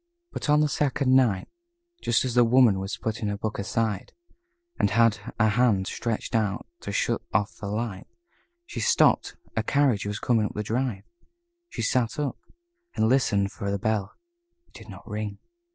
But on the second night, just as the Woman was putting her book aside, and had a hand stretched out to shut off the light, she stopped a carriage was coming up the drive. She sat up, and listened for the bell. It did not ring.